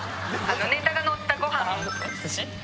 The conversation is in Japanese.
ネタがのったご飯寿司？